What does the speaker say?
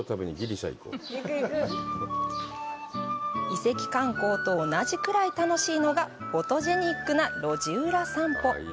遺跡観光と同じくらい楽しいのがフォトジェニックな路地裏散歩。